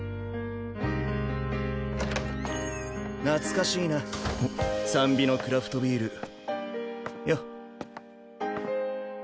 懐かしいなサンビのクラフトビール。